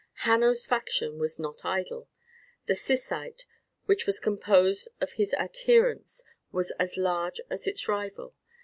Hanno's faction was not idle. The Syssite which was composed of his adherents was as large as its rival.